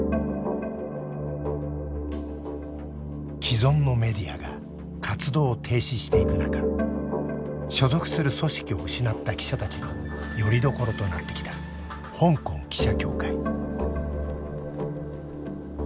既存のメディアが活動を停止していく中所属する組織を失った記者たちのよりどころとなってきた香港記者協会。